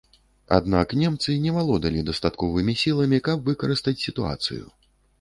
Аднак немцы не валодалі дастатковымі сіламі, каб выкарыстаць сітуацыю.